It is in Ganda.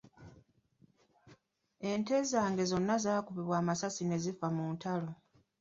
Ente zange zonna zaakubibwa amasasi ne zifa mu lutalo .